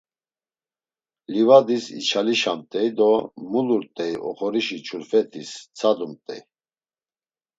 Livadis içalişamt̆ey do mulurt̆ey oxorişi çuflet̆is tsadumt̆ey.